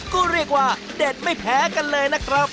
ก็เรียกว่าเด็ดไม่แพ้กันเลยนะครับ